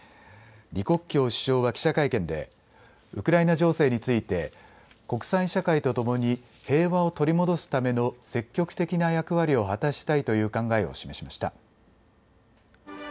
李克強首相は記者会見でウクライナ情勢について国際社会とともに平和を取り戻すための積極的な役割を果たしたいという考えを示しました。